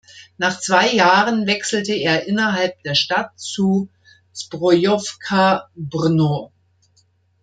Nach zwei Jahren wechselte er innerhalb der Stadt zu Zbrojovka Brno.